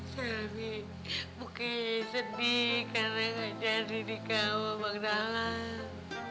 selby pok kayaknya sedih karena gak jadi nikah sama bang dalang